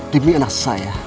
demi anak saya